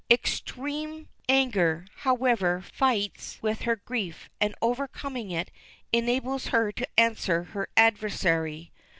Extreme anger, however, fights with her grief, and, overcoming it, enables her to answer her adversary.